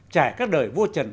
trải các đời vua trần